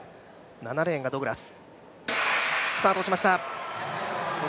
７レーンがドグラス。